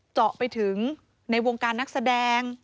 เจาะไปถึงในวงการนักแสดง